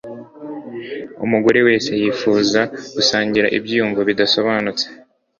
Umugore wese yifuza gusangira ibyiyumvo bidasobanutse